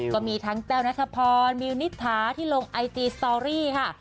ก็มีทั้งแต้วนัทพรมิวนิษฐาที่ลงไอจีสตอรี่ค่ะ